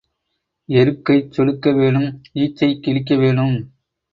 எருக்கைச் சொடுக்க வேணும் ஈச்சைக் கிழிக்க வேணும்.